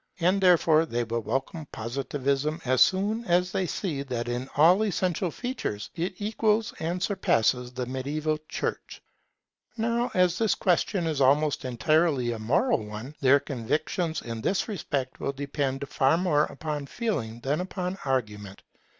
And therefore they will welcome Positivism as soon as they see that in all essential features it equals and surpasses the mediaeval church. Now as this question is almost entirely a moral one, their convictions in this respect will depend far more upon Feeling than upon argument.